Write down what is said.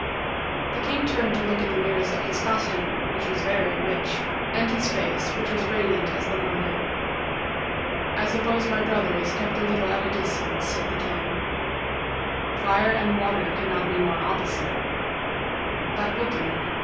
The king turned to look in the mirrors at his costume, which was very rich, and his face, which was radiant as the morning. "I suppose my brother is kept a little at a distance," said the king. "Fire and water cannot be more opposite." "That will do.